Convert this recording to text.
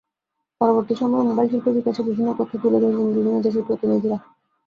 পরবর্তী সময়ে মোবাইলশিল্পের বিকাশে বিভিন্ন তথ্য তুলে ধরবেন বিভিন্ন দেশের প্রতিনিধিরা।